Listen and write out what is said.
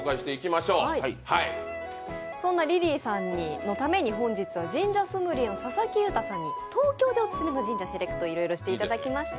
そんなリリーさんのために本日は神社ソムリエの佐々木優太さんに東京でおすすめの神社、セレクトをしていただきました。